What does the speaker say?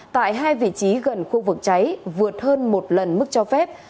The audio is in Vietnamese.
tại hai vị trí gần khu vực cháy vượt hơn một lần mức cho phép